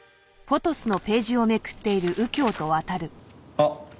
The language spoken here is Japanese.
あっ！